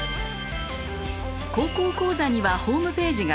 「高校講座」にはホームページがあります。